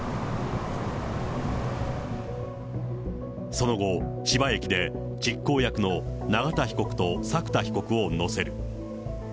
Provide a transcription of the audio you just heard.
その後、千葉駅で実行役の永田被告と作田被告を乗せる。